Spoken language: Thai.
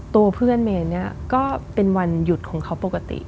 ตัวเพื่อนเมย์เนี่ยก็เป็นวันหยุดของเขาปกติ